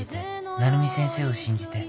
鳴海先生を信じて。